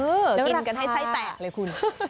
กินกันให้ไส้แตกเลยคุณ